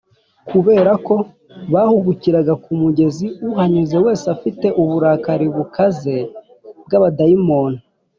kubera ko bahubukiraga ku mugenzi uhanyuze wese bafite uburakari bukaze bw’abadayimoni